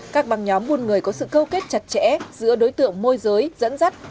các băng nhóm buôn người có sự câu kết chặt chẽ giữa đối tượng môi giới dẫn dắt